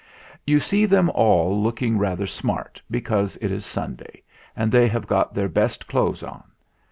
You see them all looking rather smart, because it is Sunday, and they have got their best clothes on.